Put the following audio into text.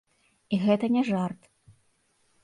І гэта не жарт.